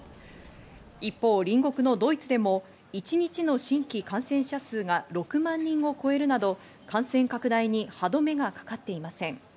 一方、隣国のドイツでも一日の新規感染者数が６万人を超えるなど感染拡大に歯止めがかかっていません。